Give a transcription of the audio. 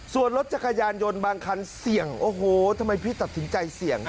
ส่วนรถจักรยานยนต์บางคันเสี่ยงโอ้โหทำไมพี่ตัดสินใจเสี่ยง